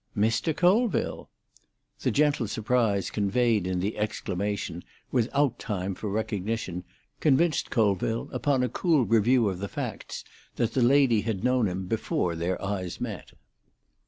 "Mr. Colville!" The gentle surprise conveyed in the exclamation, without time for recognition, convinced Colville, upon a cool review of the facts, that the lady had known him before their eyes met.